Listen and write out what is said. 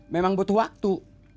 memang butuh waktu